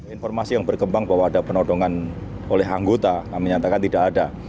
informasi yang berkembang bahwa ada penodongan oleh anggota kami nyatakan tidak ada